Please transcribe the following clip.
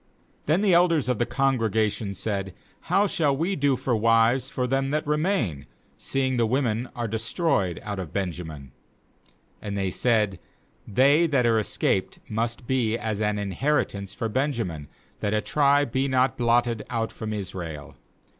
16Then the elders of the congrega tion said: 'How shall we do for wives for them that remain, seeing the wom en are destroyed out of Benjamin?' 17And they said: "They that are escaped must be as an inheritance for Benjamin, that a tribe be not blotted out from Israel.